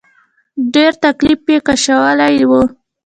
ډېر تکليف یې کشلی و.